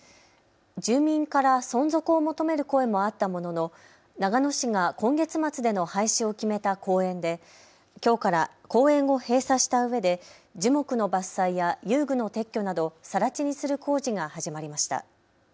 住民から存続を求める声もあったものの長野市が今月末での廃止を決めた公園できょうから公園を閉鎖したうえで樹木の伐採や遊具の撤去などさら地にする工事が始まりました。